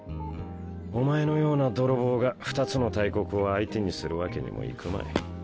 お前のような泥棒が２つの大国を相手にするわけにもいくまい。